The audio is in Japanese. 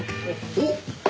おっ！